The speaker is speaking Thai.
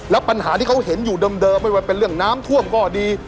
แล้วปัญหาที่เขาเห็นอยู่เดิมไม่ว่าเป็นเรื่องน้ำท่วมก็ดี